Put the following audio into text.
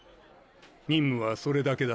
任務はそれだけだ。